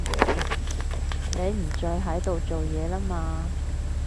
你唔再喺度做嘢啦嘛